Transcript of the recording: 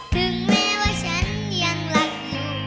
ถึงแม้ว่าฉันยังรักอยู่